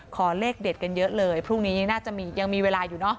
ขอเลขเด็ดกันเยอะเลยพรุ่งนี้น่าจะมียังมีเวลาอยู่เนอะ